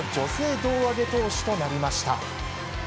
胴上げ投手となりました。